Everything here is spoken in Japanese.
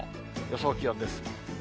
予想気温です。